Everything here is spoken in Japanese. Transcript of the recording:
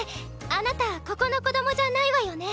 あなたここの子供じゃないわよね！